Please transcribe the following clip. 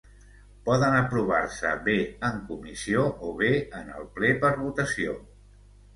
Poden aprovar-se bé en comissió o bé en el ple per votació.